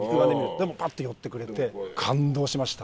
でもパッと寄ってくれて感動しました。